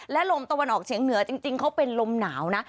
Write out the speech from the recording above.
และลมตะวันออกเฉียงเหนือจริงเขาเป็นลมหนาวนะ